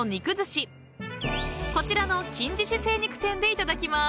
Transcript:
［こちらの金獅子精肉店でいただきます］